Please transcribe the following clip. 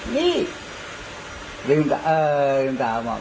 นี่ลืมตาเอ่อลืมตามาก